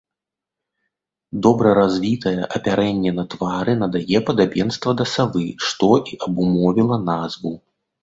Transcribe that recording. Добра развітае апярэнне на твары надае падабенства да савы, што і абумовіла назву.